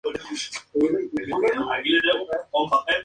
Basado en el personaje original de Sir Arthur Conan Doyle.